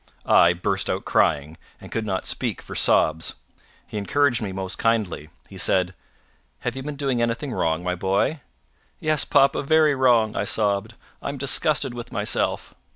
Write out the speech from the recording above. I burst out crying, and could not speak for sobs. He encouraged me most kindly. He said "Have you been doing anything wrong, my boy?" "Yes, papa, very wrong," I sobbed. "I'm disgusted with myself."